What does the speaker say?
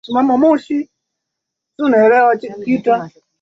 Tunisia ni nchi ndogo ya Kiarabu kutoka Afrika Kaskaizni